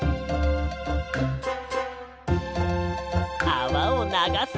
あわをながすぞ。